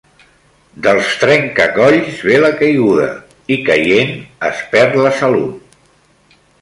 Dels trenca-colls ve la caiguda, i caient es perd la salut